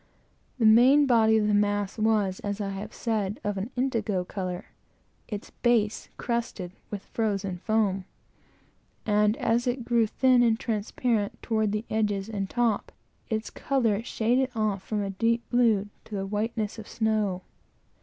The main body of the mass was, as I have said, of an indigo color, its base crusted with frozen foam; and as it grew thin and transparent toward the edges and top, its color shaded off from a deep blue to the whiteness of snow.